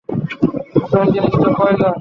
আসল জিনিস তো কয়লা।